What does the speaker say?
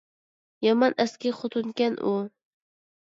يامان ئەسكى خوتۇنكەن ئۇ!